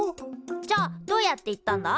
じゃどうやって行ったんだ？